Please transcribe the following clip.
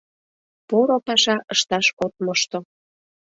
Поро паша ышташ от мошто...